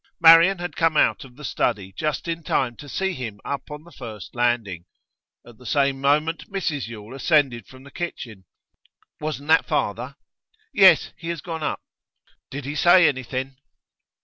Marian had come out of the study just in time to see him up on the first landing; at the same moment Mrs Yule ascended from the kitchen. 'Wasn't that father?' 'Yes, he has gone up.' 'Did he say anything?